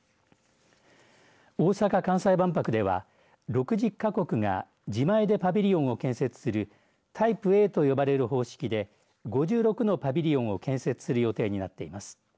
大阪・関西万博では６０か国が自前でパビリオンを建設するタイプＡと呼ばれる方式で５６のパビリオンを建設する予定になっています。